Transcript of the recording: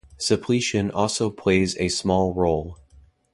Suppletion also plays a small role.